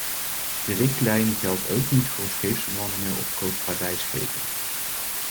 De richtlijn geldt ook niet voor scheepsbemanningen op koopvaardijschepen.